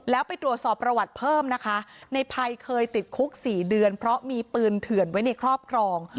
แล้วไปตรวจสอบประวัติเพิ่มนะคะในภัยเคยติดคุก๔เดือนเพราะมีปืนเถื่อนไว้ในครอบครอง